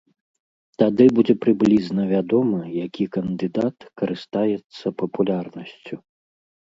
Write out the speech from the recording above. Тады будзе прыблізна вядома, які кандыдат карыстаецца папулярнасцю.